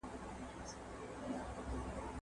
هغه څوک چي بازار ته ځي سودا کوي؟!